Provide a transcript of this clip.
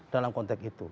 dalam konteks itu